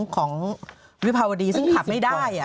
ของวิภาวดีซึ่งขับไม่ได้